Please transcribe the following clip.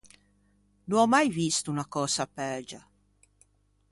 No ò mai visto unna cösa pægia.